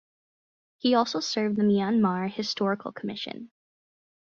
He also served in the Myanmar Historical Commission.